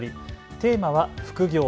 テーマは副業。